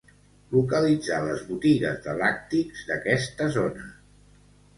Localitzar les botigues de làctics d'aquesta zona.